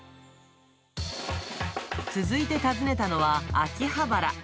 続いて訪ねたのは秋葉原。